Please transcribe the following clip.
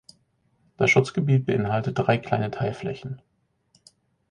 Das Schutzgebiet beinhaltet drei kleine Teilflächen.